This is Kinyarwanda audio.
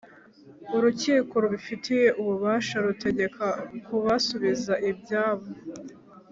Urukiko rubifitiye ububasha rutegeka kubasubiza ibyabo